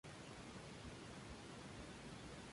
Cuenta con la mayoría de usuarios abonados a la red celular.